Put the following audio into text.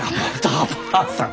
ばあさん！